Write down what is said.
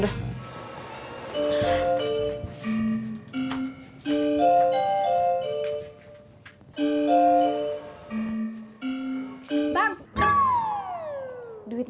duitnya jangan diotak atik ya